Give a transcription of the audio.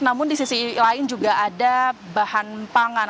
namun di sisi lain juga ada bahan pangan